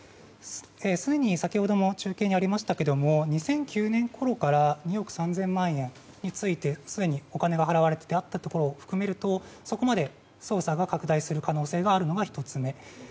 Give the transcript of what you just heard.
すでに先ほども中継にありましたが２００９年ごろから２億３０００万円についてお金が払われていたことを含めると、そこまで捜査が拡大する可能性があるのがあるのが１つ目。